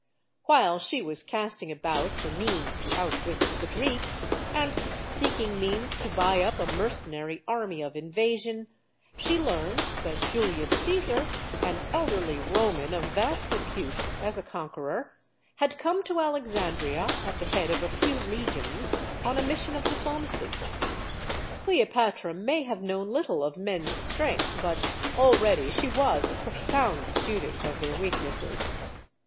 While she was casting about for means to outwit the Greeks, and seeking means to buy up a mercenary army of invasion, she learned that Julius Caesar, an elderly Roman of vast repute as a conqueror, had come to Alexandria at the head of a few legions, on a mis sion of diplomacy. Cleopatra may have known little of men's strength, but already she was a profound student of their weak nesses.